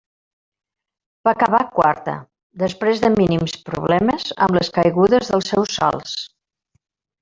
Va acabar quarta, després de mínims problemes amb les caigudes dels seus salts.